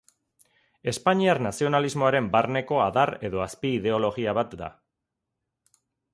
Espainiar nazionalismoaren barneko adar edo azpi-ideologia bat da.